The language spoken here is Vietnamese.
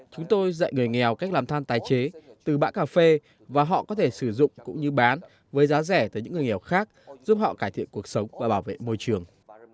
chúng tôi dạy người nghèo cách làm than tái chế từ bã cà phê và họ có thể sử dụng cũng như bán với giá rẻ tới những người nghèo khác giúp họ cải thiện cuộc sống và bảo vệ môi trường